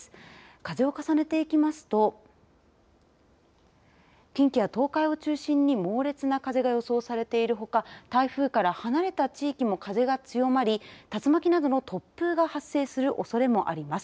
風を重ねていきますと近畿や東海を中心に猛烈な風が予想されているほか、台風から離れた地域も風が強まり竜巻などの突風が発生するおそれもあります。